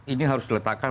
ini harus diletakkan